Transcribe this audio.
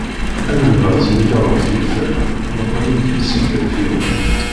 Am lbaz mu yerreẓ yifer, neqqben deg-s igerfiwen.